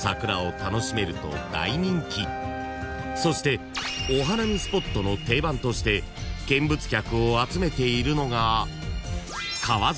［そしてお花見スポットの定番として見物客を集めているのが］